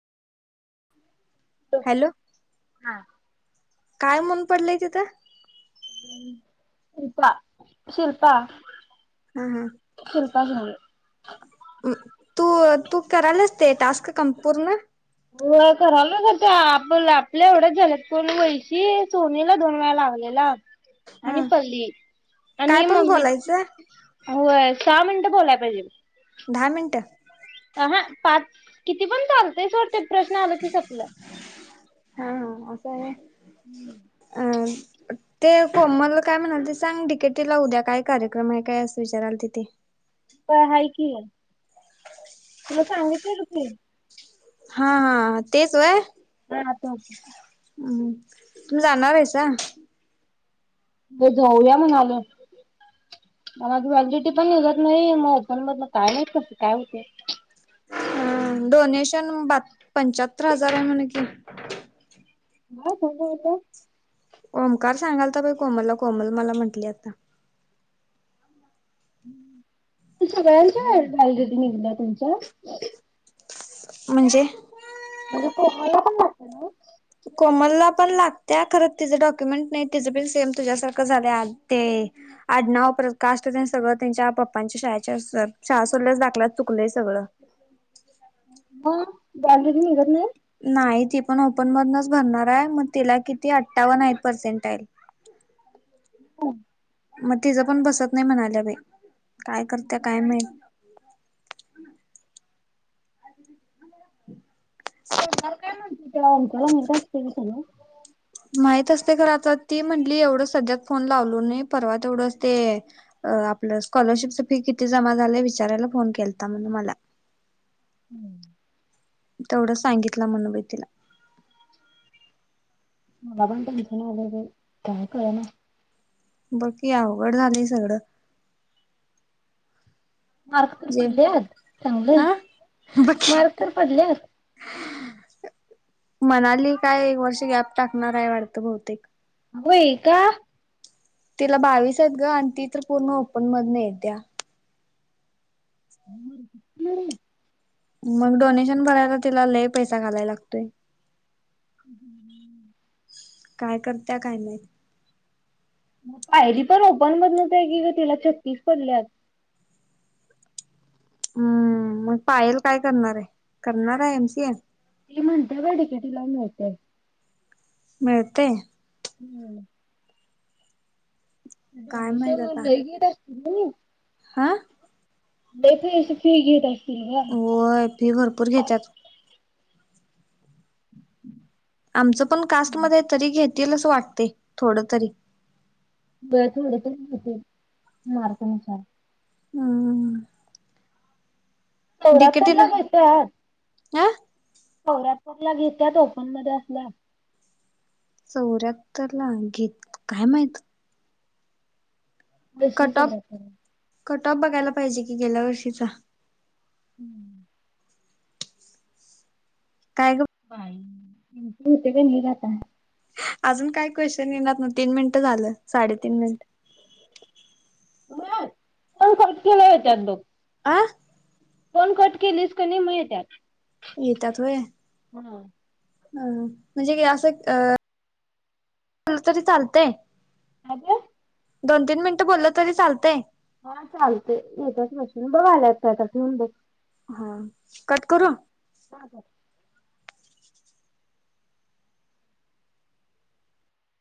हा. हॅलो काय मरून पडलंय तिथं? हम् शिल्पा शिल्पा. हम हम [unintelligible] तू तू करायलाच ते टास्क पूर्ण. हो करलोय णा. आपण आपल्या एवढं झलकोड वैशी सोनीला दोन वेळा लागलेला. हा आणिनपल्ली काय आणि म पण ममी बोलायचं होय सहा मिनिट. बोलाय पायजे. दहा मिनट. हा हा पाच, किती पण चालतय सोड ते प्रश्न आलं कि संपलं. वय. हम्म. ते कोमल काय म्हणाल ती सांग, डि, के, की ला उद्या काय कार्यक्रम आहे काय अस विचाराल ति. ती. वय हाय कि. मला सांगितलं की. हा, हा, तेच व्हय. ह, ते. हम्, तुम्ही जाणार आरसा. म जाऊया म्हणालोय. [unintelligible] पण निघत नाही मग ओपन मधन काय माहित कसं काय होतेय. हम्म डोनेशन बात पंचाहत्तर हजार आहे म्हणे कि. [unintelligible] ओमकार सांगालता बाई कोमलला कोमल मला म्हटली आता. सगळ्यांच्या [unintelligible] निघला तुमच्या. म्हणजे? म्हणजे कोमलला पण वाटत ना? कोमलला पण लागत्या खरं तिचं डॉक्युमेंट नाही तिचं पण सेम तुझ्यासारखं झाले [unintelligible] ते आडनाव परत काष्ट ते न सगळं त्यांच्या पप्पांच्या शाळाच्या [unintelligible] शाळा सोडलेल्या दाखल्यात चुकलय स बर. [unintelligible] गॅलरी निघत नाही? नाही ती पण ओपन मधनच भरणार आहे मग तिला किती अठ्ठावन्न आहे पर्सेंटईल. [unintelligible] [unintelligible] मग तिचं पण बसत नाही म्हणाल्या बाई. काय करत्या काय माहित. [inaudible] ओंकार काय म्हणतला. [unintelligible] तुला ओमकार. [unintelligible] माहित असतय खरं आता ती म्हण ली एवढं सध्या फोन लावलो नाही. परवा तेवढंच ते आपलं स्कोलररशिपच फी किती जमा [unintelligible] विचारायला फोन केलता म्हणे मला. हम्म. तेवढं सांगितलं म्हणो बाई तिला. मला पण टेनशन आलय बाई काय कळ ना. बाकी अवघड झाले सगळं. मार्क तर जे पडलेत चांगलं हा मार्क तर पडल्यात मणाली काय एक वर्ष गॅप टाकणार आहे वाढतं बहुतेक. होय का? तिला बावीस आहेत ग आणि ती तर पूर्ण ओपन मधन येत्या. हम्म हम्म. मग डोनेशन भरायला तिला लय पैसा घालायला लागतोय. हम्म. काय करत्या काय माहित. पायरी पण ओपन मधनच हाय की गं, तिला छत्तीस पडल्यातऽ हम्म, मग पायल काय करणार आहे? करणार आहे एम सी ए? ती म्हणते बाई डी के टी मिळतय. मिळतय. हम्म. काय माहित [unintelligible] हां? लय [unintelligible] फी घेत आहे. होय फी भरपूर घेतात. आमचं पण कास्टमध्ये तरी घेतील असं वाटते थोडं तरी. व्हय थोडं तरी घेत्याल मार्कांनुसार. हम्म, हम्म, हम्म. चौऱ्याहत्तरला घेत्यात. आ? चौऱ्याहतरला घेत्यात ओपन मध्ये असल्यास. चौऱ्याहत्तरला घेत काय माहित? [unintelligible] कट ऑफ चौऱ्याहत्तरला. कट ऑफ बघायला पाहिजे कि गेल्या वर्षीचा. [inaudible] काय. ग बाई नेते ग मी जाताना. अजून काय क्वेश्चन येणार ना तीन मिनिट झालं साडेतीन मिनट. लवकरचं केळं येत्यात बग [unintelligible] आ दोन कट किलिस कनि मग येत्यात. येतात वय. हम! ह म्हणजे असं अ तरी चालतय. [unintelligible] दोन तीन मिनिटं बोलल तरी चालतंय. हा चालतंय, [unintelligible] बघ आल्यात काय. हा कट करू. हा बघ.